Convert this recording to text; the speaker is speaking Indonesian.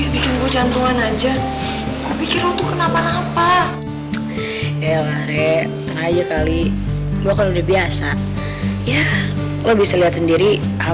bibir lu kering banget tuh